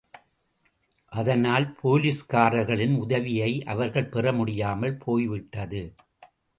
அதனால் போலீஸ்காரர்களின் உதவியை அவர்கள் பெற முடியாமல் போய்விட்டது.